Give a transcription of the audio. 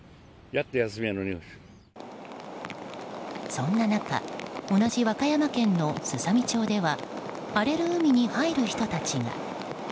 そんな中同じ和歌山県のすさみ町では荒れる海に入る人たちが。